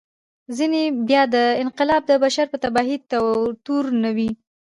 ځینې بیا دا انقلاب د بشر په تباهي تورنوي.